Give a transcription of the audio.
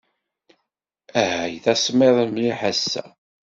Ay, d asemmiḍ mliḥ ass-a.